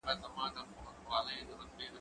زه له سهاره تمرين کوم؟